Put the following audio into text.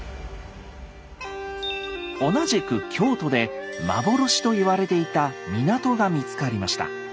同じく京都で幻と言われていた港が見つかりました。